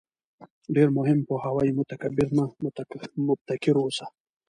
ډېر مهم پوهاوی: متکبِّر نه، مُبتَکِر اوسه